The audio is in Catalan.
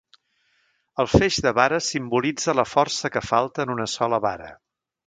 El feix de vares simbolitza la força que falta en una sola vara.